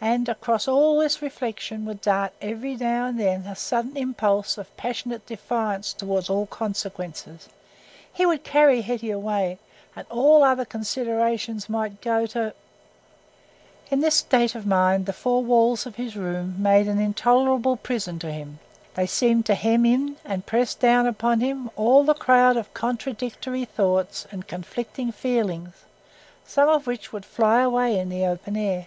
And across all this reflection would dart every now and then a sudden impulse of passionate defiance towards all consequences. He would carry Hetty away, and all other considerations might go to.... In this state of mind the four walls of his room made an intolerable prison to him; they seemed to hem in and press down upon him all the crowd of contradictory thoughts and conflicting feelings, some of which would fly away in the open air.